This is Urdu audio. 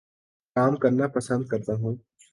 کام کرنا پسند کرتا ہوں